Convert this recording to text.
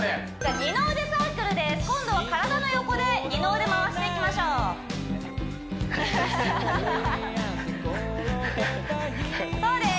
二の腕サークルです今度は体の横で二の腕回していきましょうそうです